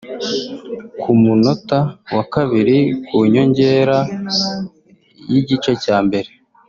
Ku munota wa kabiri ku nyongera y’igice cya mbere